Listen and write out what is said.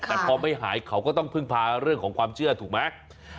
แต่พอไม่หายเขาก็ต้องพึ่งพาเรื่องของความเชื่อถูกไหม